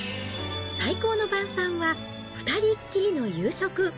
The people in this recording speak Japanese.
最高の晩さんは２人っきりの夕食。